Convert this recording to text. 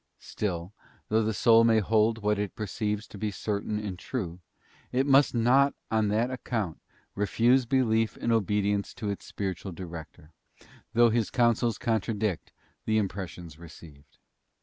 f Still, though the soul may hold what it perceives to be certain and true, it must not on that account refuse belief and obedience to its spiritual director, though his counsels contradict the impressions received.